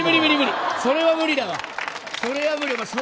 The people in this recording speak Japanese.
それは無理だわ。